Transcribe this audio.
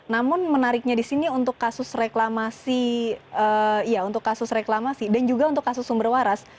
namun menariknya di sini untuk kasus reklamasi dan juga untuk kasus sumber waras